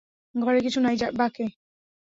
ঘরে কিছু নাই, বাকে।